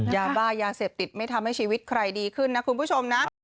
ยาเสพติดไม่ทำให้ชีวิตใครดีขึ้นนะคุณผู้ชมนะ